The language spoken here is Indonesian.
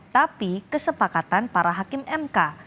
tapi kesepakatan para hakim mk